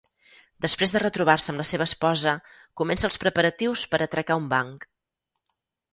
Després de retrobar-se amb la seva esposa, comença els preparatius per atracar un banc.